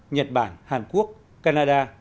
nhật bản hàn quốc canada